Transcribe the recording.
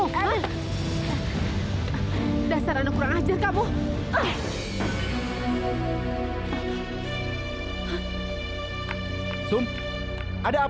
masa lalu aku tidak mengajarkan kamu